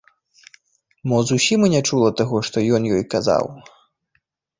Мо зусім і не чула таго, што ён ёй казаў?